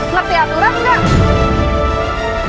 ngerti aturan nggak